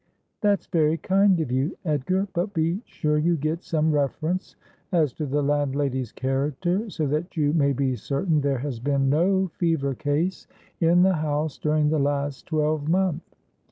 ' That's very kind of you, Edgar. But be sure you get some reference as to the landlady's character, so that you may be cer tain there has been no fever case in the house during the last twelvemonth.